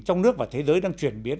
trong nước và thế giới đang chuyển biến